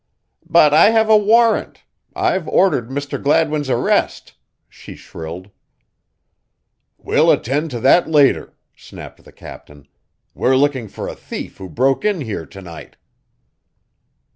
"But I have a warrant I've ordered Mr. Gladwin's arrest!" she shrilled. "We'll attend to that later," snapped the captain. "We're looking for a thief who broke in here to night."